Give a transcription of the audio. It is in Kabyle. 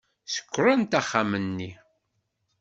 Ssekrant axxam-nni.